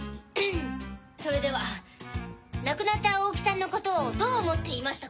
それでは亡くなった大木さんのことをどう思っていましたか？